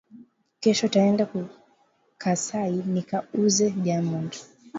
Kesho taenda ku kasayi nika uze diamand